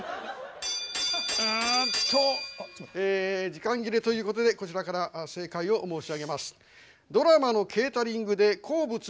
時間切れということでこちらから正解を申し上げます。